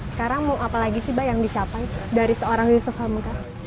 sekarang mau apa lagi sih mbak yang dicapai dari seorang yusuf hamka